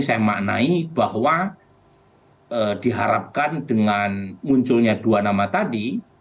saya maknai bahwa diharapkan dengan munculnya dua nama tadi